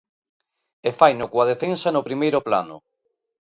E faino coa defensa no primeiro plano.